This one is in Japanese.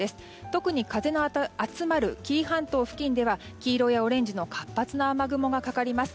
特に風の集まる紀伊半島付近では黄色やオレンジの活発な雨雲がかかります。